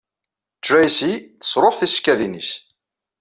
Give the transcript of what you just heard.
Tracy tesṛuḥ tisekkadin-nnes.